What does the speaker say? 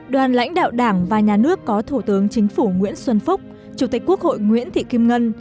đoàn lãnh đạo đảng và nhà nước có thủ tướng chính phủ nguyễn xuân phúc chủ tịch quốc hội nguyễn thị kim ngân